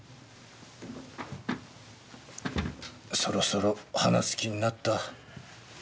そろそろ話す気になった？